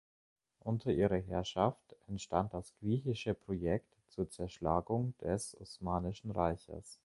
Unter ihrer Herrschaft entstand das Griechische Projekt zur Zerschlagung des Osmanischen Reiches.